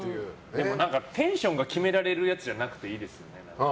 でも、テンションが決められるやつじゃなくていいですよね。